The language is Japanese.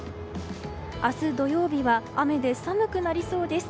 明日、土曜日は雨で寒くなりそうです。